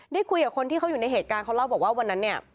ได้คุยกับคนที่เขาอยู่ในเหตุการณ์เขาเล่าบอกว่าวันนั้นเนี่ย